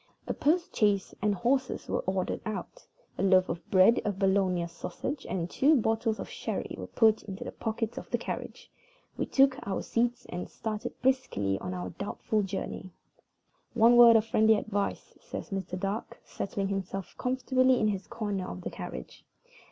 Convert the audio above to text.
A post chaise and horses were ordered out. A loaf of bread, a Bologna sausage, and two bottles of sherry were put into the pockets of the carriage; we took our seats, and started briskly on our doubtful journey. "One word more of friendly advice," says Mr. Dark, settling himself comfortably in his corner of the carriage.